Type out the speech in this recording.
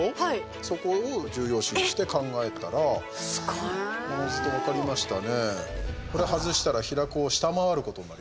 そこを重要視して考えたらおのずと分かりましたね。